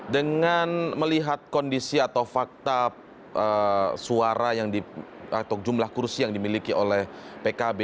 dengan melihat kondisi atau fakta suara atau jumlah kursi yang dimiliki oleh pkb